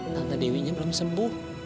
tante dewi belum sembuh